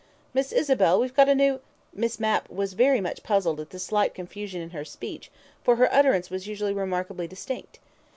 "Miss Isabel, we've got a new " Miss Mapp was very much puzzled at this slight confusion in her speech, for her utterance was usually remarkably distinct.